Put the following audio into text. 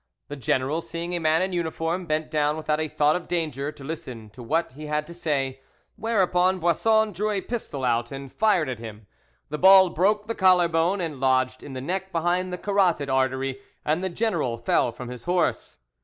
The general seeing a man in uniform, bent down without a thought of danger to listen to what he had to say, whereupon Boisson drew a pistol out and fired at him. The ball broke the collar bone and lodged in the neck behind the carotid artery, and the general fell from his horse.